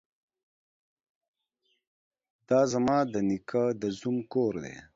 ده ځما ده نيکه ده زوم کور دې.